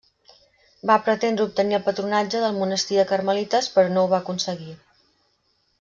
Va pretendre obtenir el patronatge del monestir de carmelites però no ho va aconseguir.